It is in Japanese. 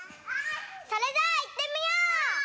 それじゃあいってみよう！